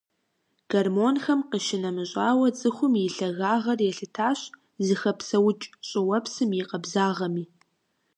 Гормонхэм къищынэмыщӀауэ, цӀыхум и лъагагъэр елъытащ зыхэпсэукӀ щӀыуэпсым и къабзагъэми.